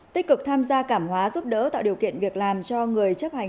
tích cực tham gia cảm hóa giúp đỡ tạo điều kiện việc làm cho người chấp hành